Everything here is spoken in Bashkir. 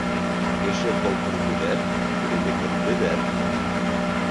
Кеше холҡон күҙәт, үҙендекен төҙәт.